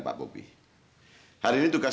pak bobi hari ini tugas